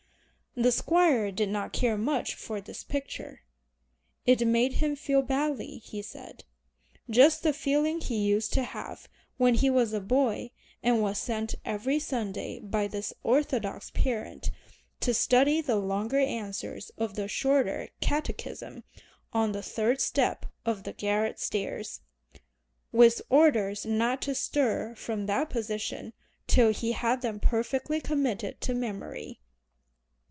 The Squire did not care much for this picture. It made him feel badly, he said, just the feeling he used to have when he was a boy and was sent every Sunday by this orthodox parent to study the longer answers of the Shorter Catechism on the third step of the garret stairs, with orders not to stir from that position till he had them perfectly committed to memory.